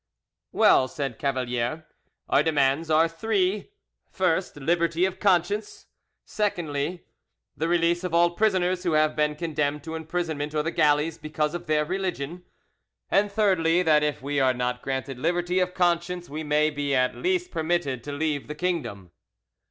"Well," said Cavalier, "our demands are three first, liberty of conscience; secondly, the release of all prisoners who have been condemned to imprisonment or the galleys because of their religion; and thirdly, that if we are not granted liberty of conscience we may be at least permitted to leave the kingdom."